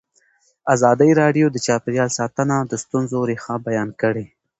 ازادي راډیو د چاپیریال ساتنه د ستونزو رېښه بیان کړې.